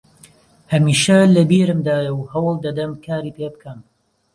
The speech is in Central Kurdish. هەمیشە لە بیرمدایە و هەوڵ دەدەم کاری پێ بکەم